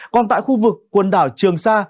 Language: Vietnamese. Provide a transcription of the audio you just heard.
còn tại khu vực quân đảo trường sa